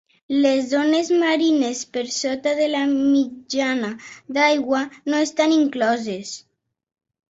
Les zones marines per sota de la mitjana d'aigua no estan incloses.